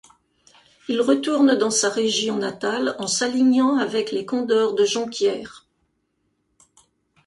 Il retourne dans sa région natale en s’alignant avec les Condors de Jonquière.